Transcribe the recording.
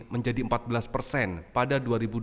menjadi empat belas persen pada dua ribu dua puluh